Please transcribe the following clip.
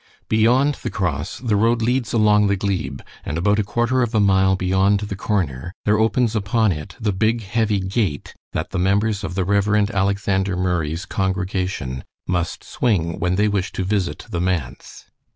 Beyond the cross, the road leads along the glebe, and about a quarter of a mile beyond the corner there opens upon it the big, heavy gate that the members of the Rev. Alexander Murray's congregation must swing when they wish to visit the manse.